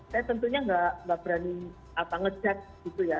saya tentunya nggak berani ngejar gitu ya